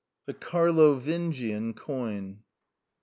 THE CARLOVINGIAN COIN.